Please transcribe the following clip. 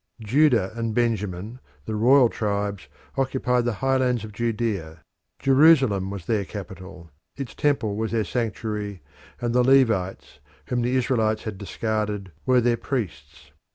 The Jews Judah and Benjamin, the royal tribes, occupied the highlands of Judea. Jerusalem was their capital; its temple was their sanctuary, and the Levites, whom the Israelites had discarded, were their priests.